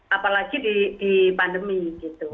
apalagi di pandemi gitu